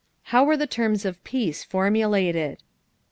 How were the terms of peace formulated?